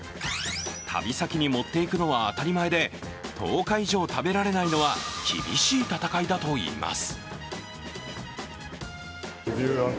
旅先に持っていくのは当たり前で、１０日以上食べられないのは厳しい戦いだといいます。